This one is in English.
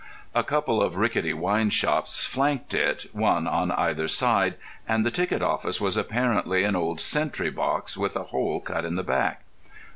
A couple of rickety wine shops flanked it one on either side, and the ticket office was apparently an old sentry box with a hole cut in the back.